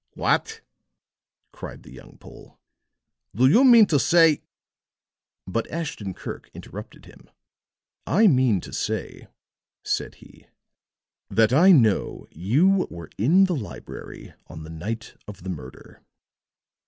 "What!" cried the young Pole. "Do you mean to say " But Ashton Kirk interrupted him. "I mean to say," said he, "that I know you were in the library on the night of the murder.